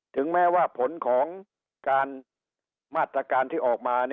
ถึงแม้ว่าผลของการมาตรการที่ออกมา